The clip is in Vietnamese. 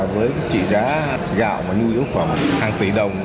với trị giá gạo và nhu yếu phẩm hàng tỷ đồng